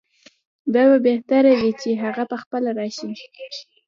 دا به بهتره وي چې هغه پخپله راشي.